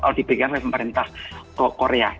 kalau dipegang oleh pemerintah korea